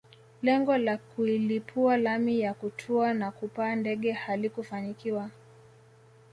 Lengo la kuilipua lami ya kutua na kupaa ndege halikufanikiwa